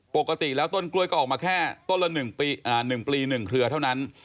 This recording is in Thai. ปกติแล้วต้นกล้วยก็ออกมาแค่ต้นละหนึ่งปีอ่าหนึ่งปลีหนึ่งเครือเท่านั้น